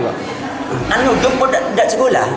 anaknya jemput anak sekolah